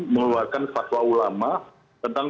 mengeluarkan fatwa ulama tentang